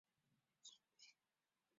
从此开启影像与音乐创作之路。